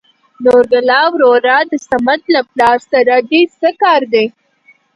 نورګله وروره د سمد له پلار سره د څه کار دى ؟